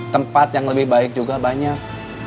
tempat yang lebih baik juga banyak